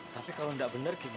tapi kalo gak bener gimana